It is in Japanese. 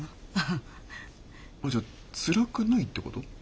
あっじゃあつらくないってこと？